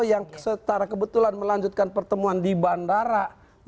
yang setara kebetulan melanjutkan pertemuan di bandara